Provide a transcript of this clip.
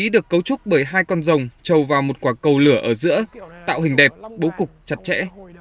được cấu trúc bởi hai con rồng trầu vào một quả cầu lửa ở giữa tạo hình đẹp bố cục chặt chẽ